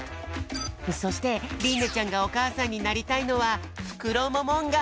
そしてりんねちゃんがおかあさんになりたいのはフクロモモンガ。